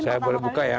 saya boleh buka ya